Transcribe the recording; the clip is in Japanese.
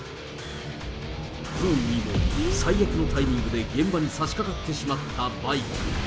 不運にも最悪のタイミングで現場に差しかかってしまったバイク。